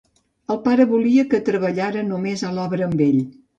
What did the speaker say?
El pare volia que treballara només a l’obra amb ell.